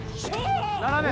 斜め！